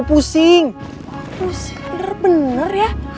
pusing bener bener ya